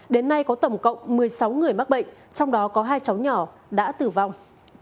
đến nay có tổng cộng một mươi sáu người mắc bệnh trong đó có hai cháu nhỏ đã tử vong